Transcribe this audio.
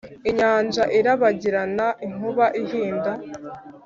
inyanja irabagirana, inkuba ihinda,